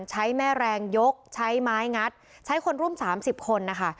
ใช้แม่แรงยกใช้ไม้งัดใช้คนร่วม๓๐คนนะคะ